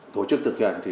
tổ chức thực hiện